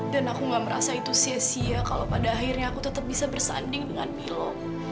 dan aku nggak merasa itu sia sia kalau pada akhirnya aku tetap bisa bersanding dengan milo